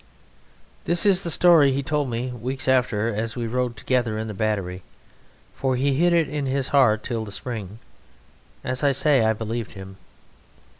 This is the story he told me weeks after as we rode together in the battery, for he hid it in his heart till the spring. As I say, I believed him.